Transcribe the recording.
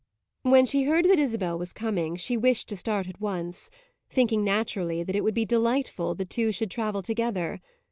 When she heard that Isabel was coming she wished to start at once; thinking, naturally, that it would be delightful the two should travel together.